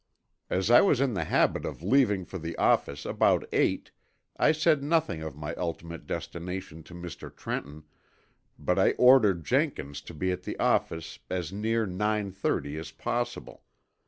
As I was in the habit of leaving for the office about eight I said nothing of my ultimate destination to Mr. Trenton, but I ordered Jenkins to be at the office as near nine thirty as possible.